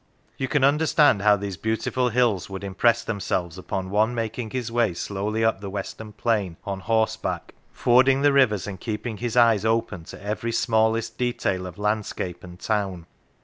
You can understand how these beautiful hills would impress themselves upon one making his way slowly up the western plain on horseback, fording the rivers, and keeping his eyes open to every smallest detail of landscape and town.